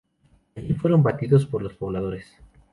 Allí fueron batidos por los pobladores.